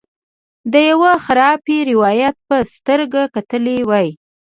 د یوه خرافي روایت په سترګه کتلي وای.